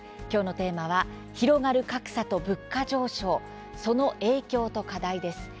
きょうのテーマは「広がる格差と物価上昇その影響と課題」です。